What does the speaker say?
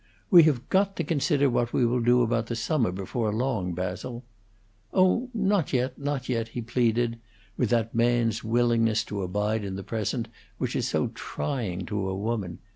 "We have got to consider what we will do about the summer, before long, Basil." "Oh, not yet, not yet," he pleaded; with that man's willingness to abide in the present, which is so trying to a woman.